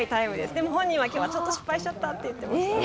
でも、本人はちょっと失敗しちゃったと言っていました。